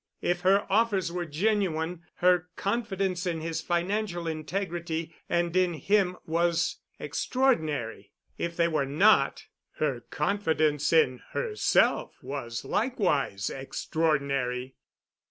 If her offers were genuine, her confidence in his financial integrity and in him was extraordinary. If they were not, her confidence in herself was likewise extraordinary.